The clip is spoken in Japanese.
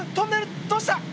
どうした？